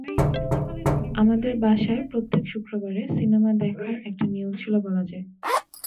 আমাদের বাসায় প্রত্যেক শুক্রবারে সিনেমা দেখার একটা নিয়ম ছিল বলা যায়।